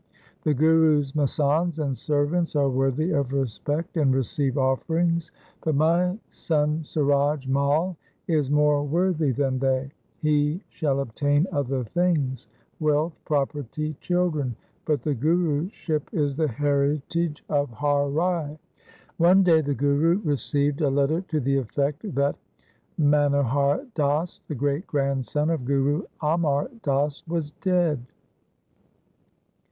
The Guru's masands and servants are worthy of respect and receive offerings, but my son Suraj Mai is more worthy than they. He shall obtain other things — wealth, property, children — but the Guruship is the heritage of Har Rai.' Q 2 228 THE SIKH RELIGION One day the Guru received a letter to the effect that Manohar Das, the great grandson of Guru Amar Das, was dead.